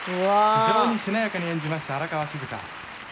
非常にしなやかに演じました、荒川静香。